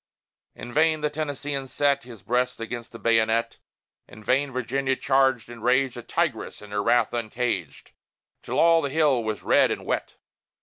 In vain the Tennesseean set His breast against the bayonet; In vain Virginia charged and raged, A tigress in her wrath uncaged, Till all the hill was red and wet!